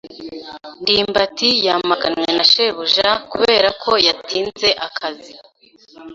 ndimbati yamaganwe na shebuja kubera ko yatinze akazi.